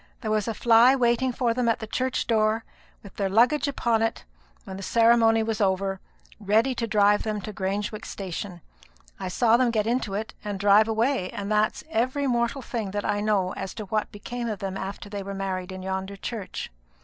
There was a fly waiting for them at the church door, with their luggage upon it, when the ceremony was over, ready to drive them to Grangewick station. I saw them get into it and drive away; and that's every mortal thing that I know as to what became of them after they were married in yonder church."